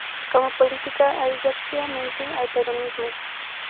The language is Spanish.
Como política, adhirió activamente al peronismo.